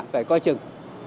phải coi chừng